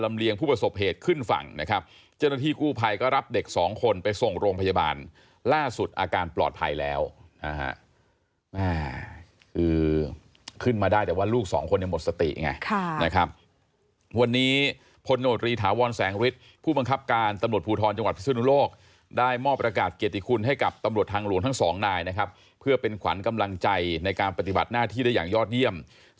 ไปส่งโรงพยาบาลล่าสุดอาการปลอดภัยแล้วคือขึ้นมาได้แต่ว่าลูก๒คนยังหมดสติไงนะครับวันนี้ผลโนตรีถาวรแสงวิทย์ผู้บังคับการณ์ตำรวจภูทรจังหวัดพฤศนุโลกได้มอบประกาศเกติคุณให้กับตำรวจทางหลวงทั้ง๒นายนะครับเพื่อเป็นขวัญกำลังใจในการปฏิบัติหน้าที่ได้อย่างยอดเยี่ย